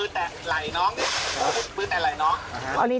เชอริ